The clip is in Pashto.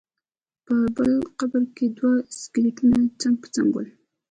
په بل قبر کې دوه سکلیټونه څنګ په څنګ ول.